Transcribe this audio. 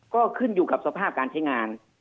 ก็ขึ้นอยู่กับสภาพการใช้งาน